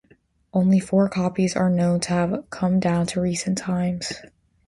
Only four copies are known to have come down to recent times.